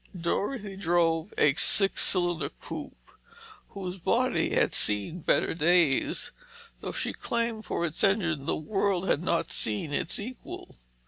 Dorothy drove a six cylinder coupe whose body had seen better days, though she claimed for its engine that the world had not seen its equal.